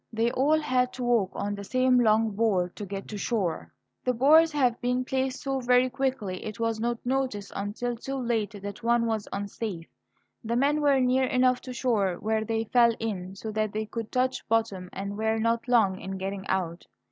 They all had to walk on the same long board to get to shore. The boards having been placed so very quickly, it was not noticed, until too late, that one was unsafe. The men were near enough to shore where they fell in, so that they could touch bottom, and were not long in getting out.